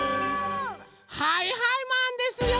はいはいマンですよ！